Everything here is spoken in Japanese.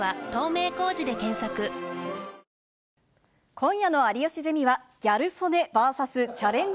今夜の有吉ゼミは、ギャル曽根ＶＳチャレンジ